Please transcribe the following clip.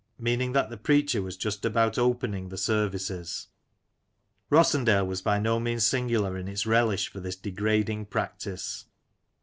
Meaning that the preacher was just about opening the services. Rossendale was by no means singular in its relish for this degrading practice.